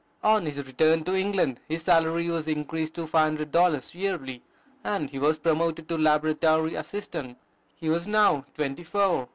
On his return to England his salary was increased to $500 yearly, and he was promoted to Laboratory Assistant. He was now twenty four.